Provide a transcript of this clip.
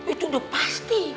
itu udah pasti